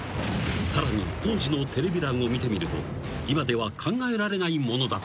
［さらに当時のテレビ欄を見てみると今では考えられないものだった］